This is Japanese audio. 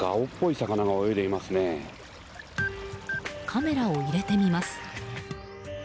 カメラを入れてみます。